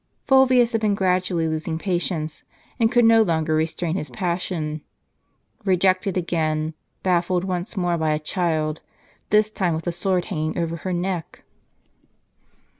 Fulviiis had been gradually losing patience, and could no longer restrain his passion. Eejected again, baffled once more by a child, this time Avith the sword hanging over her neck